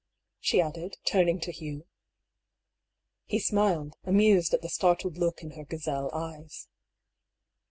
she added, turning to Hugh. He smiled, amused at the startled look in her gazelle eyes.